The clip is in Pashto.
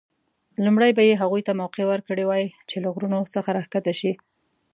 لومړی به یې هغوی ته موقع ورکړې وای چې له غرونو څخه راښکته شي.